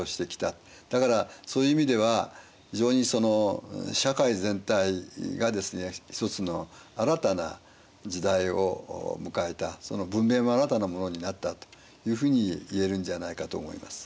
だからそういう意味では非常にその社会全体がですね一つの新たな時代を迎えた文明も新たなものになったというふうに言えるんじゃないかと思います。